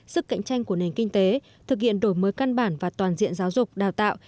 sức cạnh tranh của nền kinh tế thực hiện đổi mới căn bản và toàn diện giáo dục đào tạo